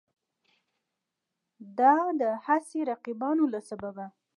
د دا هسې رقیبانو له سببه